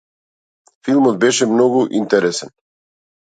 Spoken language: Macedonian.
Филмот беше многу интересен.